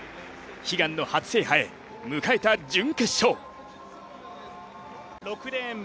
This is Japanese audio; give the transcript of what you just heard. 悲願の初制覇へ迎えた準決勝。